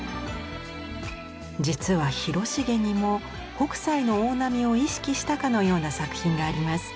実は広重にも北斎の大波を意識したかのような作品があります。